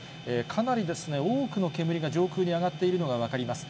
かなり多くの煙が上空に上がっているのが分かります。